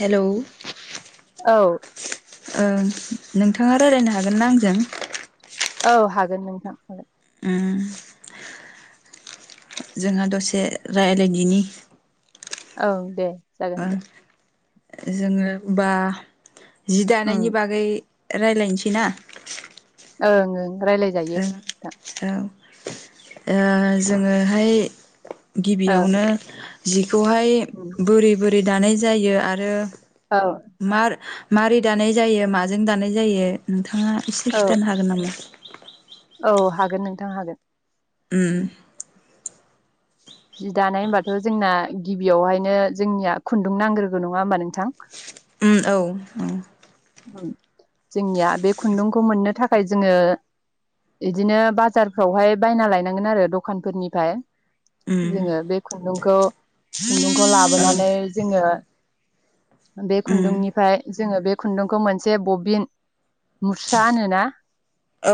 Hello औ ओ नोंथाङा रायजलायनो हागोनना आंजों? औ हागोन नोंथां हागोन। उम जोंहा दसे रायलायदिनि औ दे जागोन ओ दे। जोङो बा जि ओम दानायनि बागै रायज्लायनोसै ना? ओं-ओं रायलाय जायो ओ औ ओ जोङोहाय ओ गिबियावनो जिखौहाय उम बोरै बोरै दानाय जायो आरो औ मार माबोरै दानाय जायो माजों दानाय जायो? नोंथाङा एसे औ खिथानो हागोन नामा? औ हागोन नोंथां हागोन। उम जि दानाय होमबाथ' जोंना गिबियावहायनो जोंनिया खुन्दुं नांग्रोगौ नङा होमबा नोंथां? ओम औ-औ जोंनिया बे खुन्दुंखौ मोननो थाखाय जोङो बिदिनो बाजारफ्रावहाय बायना लायनांगोन आरो दखानफोरनिफ्राय उम जोङो बे खुन्दुंखौ खुन्दुंखौ औ लाबोनानै जोङो बे उम खुन्दुंनिफ्राय जोङो बे खुन्दुंखौ मोनसे बबिन मुस्रा होनोना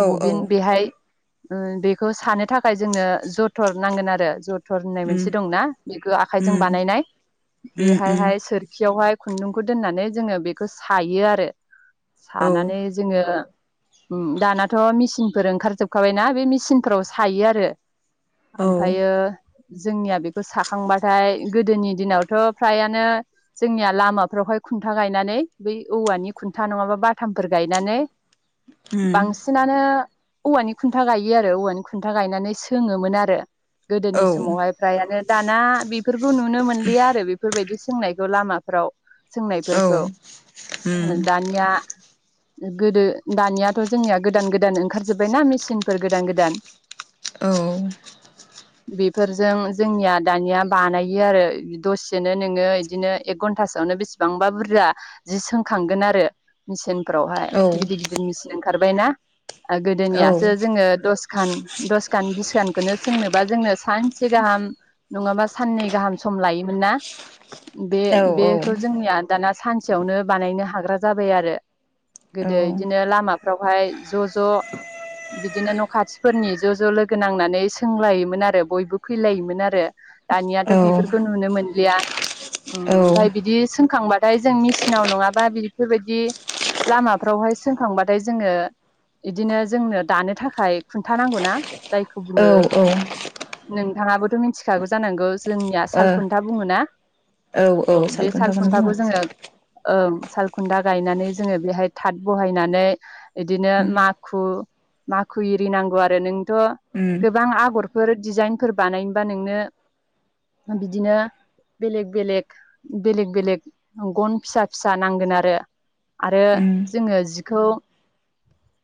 औ औ बबिन बेहाय बेखौ सानो थाखाय जोंनो जथर नांगोन आरो ज र होननाय उम मोनसे दंना बेखौ आखाइजों उम बानायनाय उम उम बेहायहाय सोरखियावहाय खुन्दुंखौ दोन्नानै जोङो बेखौ सायो आरो। औ सानानै जोङो दानाथ' मेचिनफोर ओंखारजोबखाबायना बे मेचिनफोराव सायो आरो औ ओमफायो जोंनिया बेखौ साखांबाथाय गोदोनि दिनावथ' फ्रायानो जोंनिया लामाफ्रावहाय खुन्था गायनानै बै औवानि खुन्था नङाबा बाथामफोर गायनानै उम बांसिनानो औवानि खुन्था गायो आरो औवानि खुन्था गायनानै सोङोमोन आरो औ गोदोनि समावहाय फ्रायानो दाना बेफोरखौ नुनो मोनलिया आरो बेफोरबायदि सोंनायखौ लामाफ्राव औ सोंनायफोरखौ उम धानिया गोदो दानियाथ' जोंनिया गोदान गोदान ओंखारजोब्बायनाा मेसिनफोर गोदान गोदान औ बेफोरजों जोंनिया दानिया बानायो आरो दसेसेनो नोङो बिदिनो एक घन्टासोआवनो बेसेबांबा बुरजा जि सोंखांगोन आरो मेसिन फोरावहाय औ गिदिर गिदिर मेसिन ओंखारबायायना गोदोनियासो जोङो दस खान दसखान बिसखानखौनो सोंनोबा जोंनो सानसे गाहाम नङाबा साननै गाहाम सम लायोमोन ना बे बेखौ जोंनिया दाना सनन सेयावनो बानायनो हाग्रा जाबाय आरो गोदो इदिनो लामाफ्रावहाय ज' ज' बिदिनो न' खाथिफोरनि ज' ज' लोगो नांनानै सोंलायोमोन आरो बयबो फैलायोमोन आरो दानियाथ' औ बेफोरखौ नुनो मोनलिया ओमफ्राय बिदि सोंखांबाथाय जों मेचिनाव नङाबा बेफोरबायदि लामाफ्रावहाय सोंखांबाथाय जोङो बिदिनो जोंनो दानो थाखाय खुन्था नांगौनाा जायखौ बुङो नोंथाङाबोथ' मिथिखागौ जानांगौ जोंनिया साल खुन्था बुङोना औ औ बे साल खुन्थाखौनो खुन्थाखौ मानो जोङो बुङो ओं सालखुन्दा गायनानै जोङो बेहाय थाथ बहायनानै बिदिनो उम माखु माखु एरि नांगौ आरो नोंथ' उम गोबां आगरफोर दिडिजाइनफोर बानायनोबा नोंनो बिदिनो बेलेग बेलेग बेलेग बेलेग गन फिसा फिसा नांगोन आरो आरो जोङो जिखौ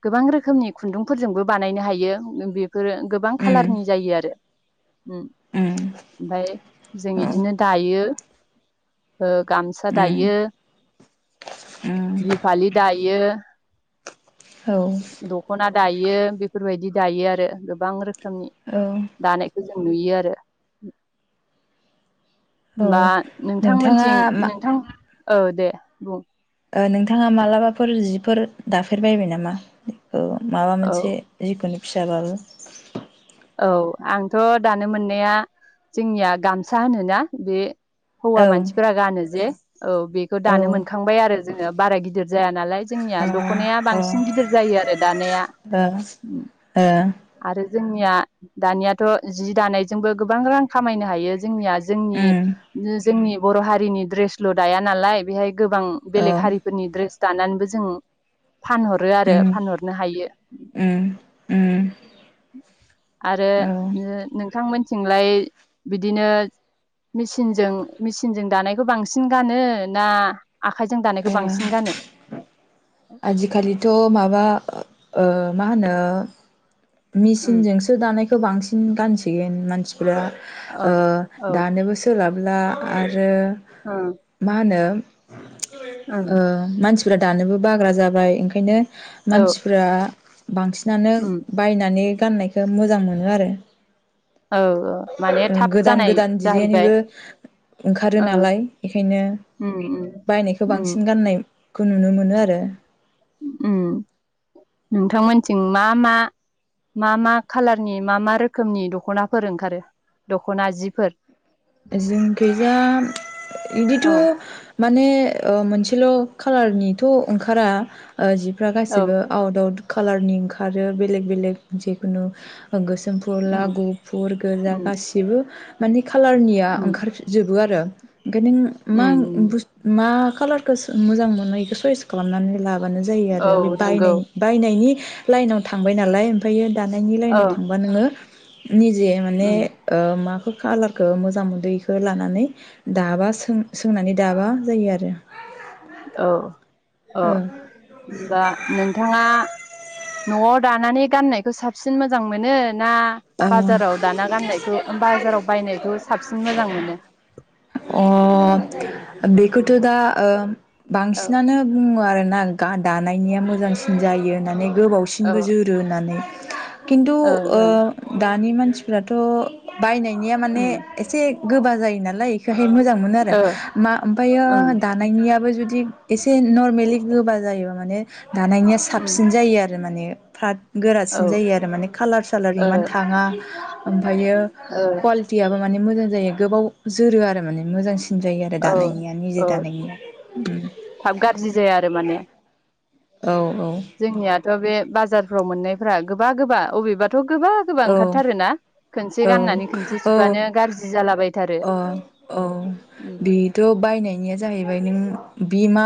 गोबां रोखोमनि खुन्दुंफोरजोंबो बानायनो हायो बेफोरो गोबां उम खाालारनि जायो आरो उम ओमफ्राय जों औ इदिनो दायो गाम सा उम दायो उम बिहुफालि दायो औ दख'ना दायो बेफोरबायदि दायो आरो गोबां रोखोमनि औ दानायखौ जों नुयो आरो औ बा नोंथाङा मा औ दे बुं नोंथाङा मालाबाफोर जिफोर दाफेरबायबाय नामा औ माबा औ मोनसे जिखुन फिसाबाबो औ आंथ' दानो मोननाया जोंनिया गामसा होनोना बे हौवा मानसिफोरा आजिखालिथ' गानो जे औ बेखौ दानो मोनखांबाय आरो जोङो बारा गिदिर जाया नालाय जोंनिया दख'नाया बांसिन गिदिर जायो आरो दानाया आरो जोंनिया दानियाथ' जि दानायजोंबो गोबां रां खामायनो हायो जोंनिया जोंनि जोंनि बर' हारिनि दड्रेसल' दाया नालाय बेहाय गोबां बेलेग हारिफोरनि दड्रेस दानानैबो जों फानहरो आरो फानहरनो हायो आरो ओ नोंथांमोन थिलाय बिदिनो मेसिनजों मेसिनजों दानायखौ बांसिन गानो ना आखाइजों दानायखौ बांसिन गानो आजिखालिथ' माबा मा होनो उम मेसिनजोंसो दानायखौ बांसिन गानसै देन मानसि औ औ दानोबो सोलाब ला आरो आरो उम मा होनो आ उम मानसि दानोबो बाग्रा जाबाय ओंखायनो औ मानसिफ्रा बांसिनानो उम नानै गाननायखौ मोजां मोनो आरो औ माने थाब गोदान जानाय गोदान जाहैबाय दिडजाइनबो ओंखारो ओ नालाय बेखायनो उम उम बायनायखौ उम बांसिन गाननाय खौ नुनो मोनो आरो नोंथांमोनथिं मा मा मा मा खालारनि मा मा रोखोमनि दख'नाफोर ओंखारो दख'ना जिफोर जोंखैजा इदित औ माने मोनसेल' खाालारनिथ' ओंखारा जिफ्रा औ गासिबो आउट आउट कालारनि ओंखारो बेलेक बेलेक जेखुनु गोसो जोमफला उम गुफुर गोजा उम गासिबो मानि खाालार उम ओंखार जोबो‌आरो ओमफाय उम उम नों मा खालार गोसो मोजां मोनो बेखौ सयस खालामनानै ला माबानो जायो औ आरो बे बाय नंगौ बायनायनि लाइनाव थांबाय नालाय ओमफ्रायायो दानायनि औ लाइनाव थांबा नोङो निजे माने उम मा कालारखौ मो जां मोदैखौ लानानै दाबा सों सोंनानै दाबा जायो आरो औ औ ओ होनबा नोंथाङा न'आव दानानै गाननायखौ साबसिन मोजां मोनो ना औ बाजाराव दाना गाननायखौ ओ बाजाराव बायनायखौ साबसिन मोजां मोनो? अ बेखौथ' दा ओम औ बांसिनानो बुङो आरो ना गा दानायनिया मोजांसिन जायो होननानै औ गोबावसिनबो जोरो होननानै खिन्थु ओं ओ ओं दानि मानसिफ्राथ' बायनायनिया माने उम एसे गोबा जायोनालाय [unintelligible] ओं मोजां मोनो आरो ओ मा ओमफायो ओं दानायनियाबो जुदि दि एसे नरमेलि गोबा जायोबा माने दानायनिया उम साबसिन जायो आरो माने फाथ औ गोरासिन ओ जायो आरो माने कालार सालार इमान थाङा आ ओमफायो ओ खआलिटिआबो माने मोजां जायो गोबाव जोरो आरो माने मोजांसिन जायो आरो औ दानायनिया निजे ओ दानायनिया थाब गाज्रि जाया आरो माने औ औ जोंनियाथ' बे बाजारफ्राव मोननायफ्रा गोबा गोबा अबेबा थ' गोबा गोबा ओंखार थारोना? औ औ जालाबायथारो अ औ उम बेथ' बायनायनिया जाहैबाय नों बि मा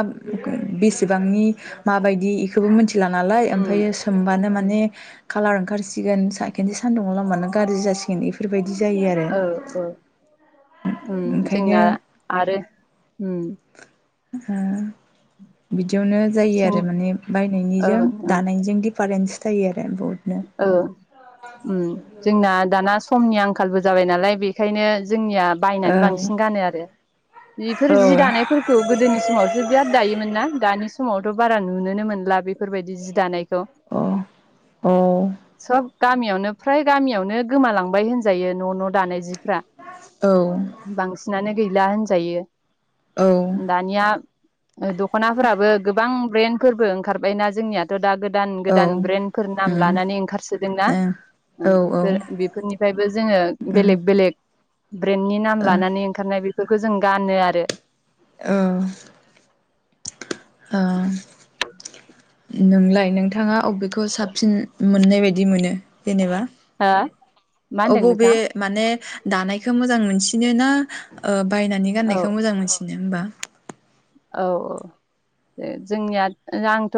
बेसेबांनि माबायदि इखौबो मोनथि ला नालाय उम ओमफायो सोमबानो मा माने खालार ओंखारसिन खोनसे सानदुंआव लामब्लानो गारजि जासि गोनन इफोरबाय ओ ओ उम ओंखायनो जोंना आरो उम उम हा बिदि बिदियावनो जायो जों आरो माने बायनायनिजों ओं ओं दानायजों गिद दिफारेन्स थायो आरो केरम बर्डनियाव ओं जोंना दा समनि आंखालबो जाबाय नालाय बेखायनो जोंनिया बायनानै औ बांसिन गानो आरो बेफोर औ जि दानायफोरखौ गोदोनि समावसो बिराद दायोमोन ना दानि समाव बारा नुनोनो मोनला बेफोरबायदि जि दानायखौ द' औ गामियावनो फ्राय गामियावनो गोमालांबाय होनजायो न' न' दानाय जिफ्रा औ बांसिनानो गैला होनजायो औ दानिया दख'नाफोराबो गोबां ब्रेन्ड फोरबो ओंखारबायना जोंनियाथ' दा गोद गोदान औ उम ओं औ गोदान ब्रेन्द नाम लानानै उम ओंखारसोदोंनाफोर ओ औ बेफोर बेफोरनिफ्रायबो जोङो बेलेग बेलेग ब्रेन्डनि नाम लानानै ओंखारनाय बे बेफोरखौ जों गानो आरो औ औ नोंलाय नोंथाङा बबेखौ साब फिन मोननाय बायदि मोनो जेनेबा हो मा अ होनदों बबे नोंथाङा माने दानायखौ मोजां मोजां मोनसिनो ना बायनानै औ गाननायखौ मोजां मोनसिनो ओम्बा औ औ जोंनिया आंथ'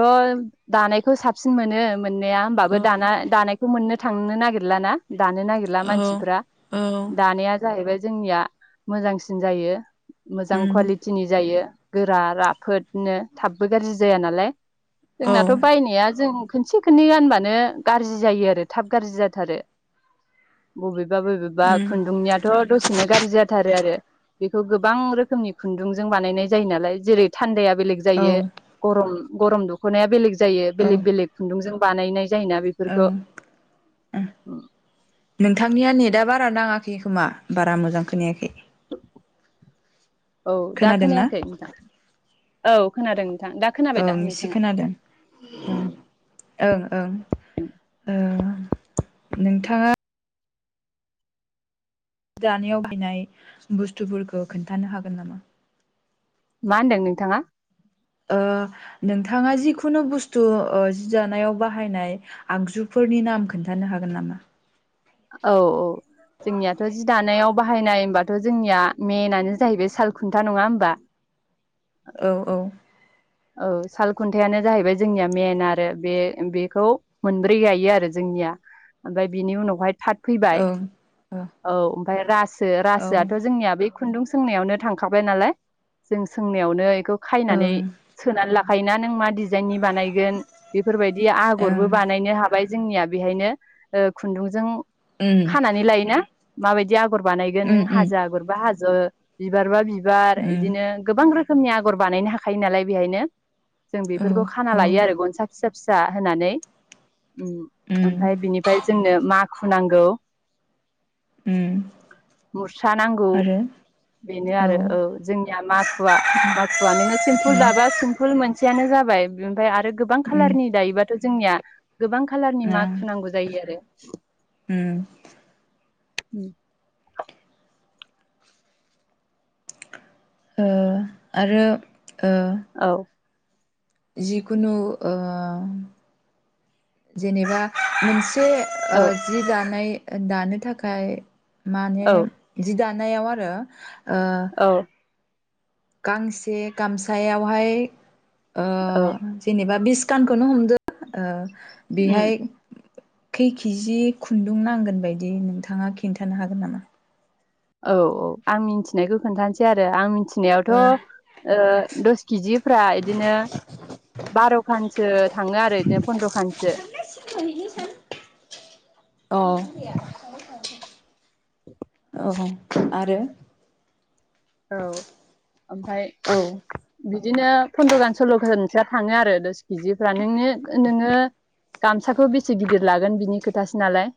दानायखौ साबसिन मोनो मोननाया होमबाबो औ दाना दानायखौ मोननो थांनो नागिरला ना दानो नागिरला औ मानसिफ्रा औ दानाया जाहैबाय जोंनिया मोजांसिन जायो मोजां उम खुवालिटिनि जायो गोरा राफोदनो थाबबो गाज्रि जाया नालाय औ जोंनाथ' उम बायनाया जों खोनसे खोननै गानबानो गारजि जायो आरो थाब गारजि जाथारो बबे बा बबेबा खुन्दुंनियाथ' दसेनो गारजि जाथारो आरो बेखौ गोबां रोखोमनि खुन्दुंजों बानायनाय जायो नालाय जेरै थान्दाया बेलेग औ जायो गरम गरम दख'नाया बेलेग ज जायो औ बेलेग बेलेग खुन्दुंजों बानायनाय जायोना औ बेफोरखो [unintelligible] नोंथांनिया नेदा बारा नाङाखै खोमा बारा मोजां खोनायाखै औ दा खोनादोंना खोनायाखै नोंथां औ खोनादों नोंथां दा खोनाबाय दा ओं एसे नोंथाङा? खोनादों ओं ओं ओ नोंथाङा दानायाव बाहायनाय बुस्थुफोरखो खोन्थानो हागोन नामा? मा होनदों नोंथाङा? ओ नोंथाङा जिखुनु बुस्थु ओ जि दानायाव बाहायनाय आगजुफोरनि नाम खोन्थानो हागोन नामा? औ औ जोंनियाथ' जि दानायाव बाहायनाय होमबाथ' जोंनिया मेनानो जाहैबाय सालखुन्था नङा होमबा? औ औ औ साल खुन्थायानो जाहैबाय जोंनिया मेन आरो बे बेखौ मोनब्रै गायो आरो जोंनिया ओमफाय बिनि उनावहाय थाद फैबाय औ औ फाय रास सो औ रासोआथ' जोंनिया बे खुन्दुं सोंनायावनो थांखाबाय नालाय जों सोंनायावनो [unintelligible] खौ खायनानै ओं लाखायोना नों मा दिज जाइननि बानायगोन बेफोरबायदि आगरबो ओं बानायनो हाबाय जोंनिया बेहायनो ओ खुन्दुंजों उम खानानै लायोना? मा बादि आग गर बानायगोन उम नों उम हाजो गरबा हाज ओ बिबार बा बि बार उम इदिनो गोबां रो खोमनि आगर बानायनो हाखायो नालाय बेहायनो जों औ बेफोरखौ खाना औ लायो आरो गनसा फिसा फिसा होनानै उम ओमफ्राय बिनिफ्राय जोंनो माखुनांगौ गौ उम मुसा नांगौ आरो बेनो आरो औ जोंनिया माखुवा माखुवा नोंङो सिम्पोल हुलाबा सिम्पोल मोनसे सेयानो जाबाय ओमफ्राय आरो गोबां खाालारनि दायोबा थ' जोंनिया गोबां खालारनि ओं माग फुनांगौ जायो आरो। [inaudible] उम उ ओ आरो ओ औ जिखुनु ओ जेनेबा मोन से ओ औ जि दानाय दानो थाखाय माने औ जि दानायाव आरो ओ औ गांसे गामसायावहाय ओ औ जेनेबा बिस कानखौनो हमदो ओ उम बेहाय खै केजि खुन्दुं नांगोन बायदि नोंथाङा खिन्थानो हागोन नामा औ औ आं मिथिनायखौ खोनथानोासै आरो आं मिथि नियावथ' दस केजिफ्रा बिदिनो बार'खानसो थांङो आरो बिदिनो फन्द्र'खानसो अ बे [inaudible] औ आरो औ ओमफ्राय औ बि बिदिनो फन्द्र' गाहान सल्ल' खानसोआ थाङो आरो दस केजिफ्रा नोंङो नोङो गामसाखौ बेसे गिदिर लागोन बिनि खोथासो नालाय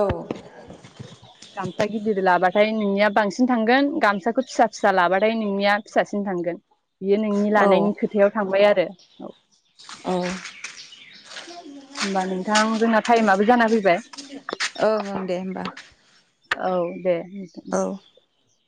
औ गामसा गिदिर लाबाथाय नोंनिया बांसिन थांगोन गामसा खौ फिसा फिसा लाबाथाय नोंनिया फिसासिन थांगोन बियो नोंनि औ लानायनि खोथायाव थांबाय आरो औ औ होमबा नोंथां जोंना टाइमाबो जाना फैबाय ओं ओं दे होमबा औ दे औ । [inaudible]